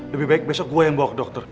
lebih baik besok gue yang bawa ke dokter